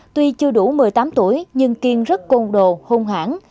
tuy chưa đủ một mươi tám tuổi nhưng kiên rất côn đồ hung hãn